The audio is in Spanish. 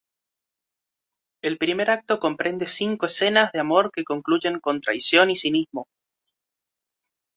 El primer acto comprende cinco escenas de amor que concluyen con traición y cinismo.